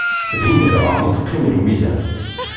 Din dɣa i teqqim Lwiza.